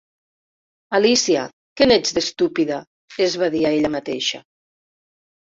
"Alícia, que n"ets d"estúpida, es va dir a ella mateixa.